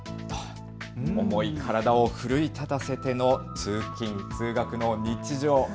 重い体を奮い立たせての通勤通学の日常。